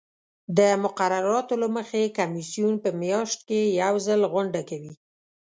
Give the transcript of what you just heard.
د مقرراتو له مخې کمیسیون په میاشت کې یو ځل غونډه کوي.